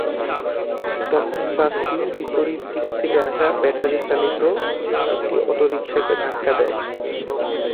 তখন বাসটি বিপরীত দিক থেকে আসা ব্যাটারিচালিত একটি অটোরিকশাকে ধাক্কা দেয়।